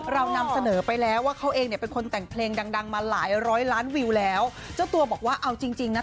เรานำเสนอไปแล้วว่าเขาเองเนี่ยเป็นคนแต่งเพลงดังดังมาหลายร้อยล้านวิวแล้วเจ้าตัวบอกว่าเอาจริงจริงนะ